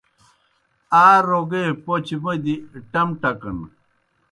آ روگے پوْچہ موْودیْ ٹم ٹکَن۔